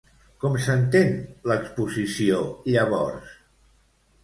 Com s'entén l'exposició, llavors?